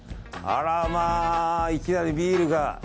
あらまあ、いきなりビールが。